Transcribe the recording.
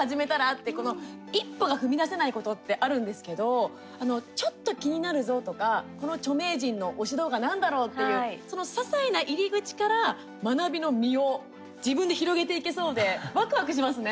ってこの一歩が踏み出せないことってあるんですけどちょっと気になるぞとかこの著名人の推し動画何だろう？っていう、そのささいな入り口から学びの実を自分で広げていけそうでわくわくしますね。